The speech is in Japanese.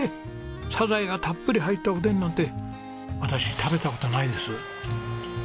サザエがたっぷり入ったおでんなんて私食べた事ないです。